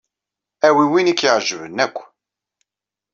Awi win i k-iɛejben akk.